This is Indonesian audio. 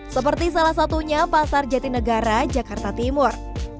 seperti salah satunya pasar jatinegara jakarta timur